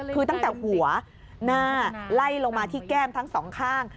คือตั้งแต่หัวหน้าไล่ลงมาที่แก้มทั้งสองข้าง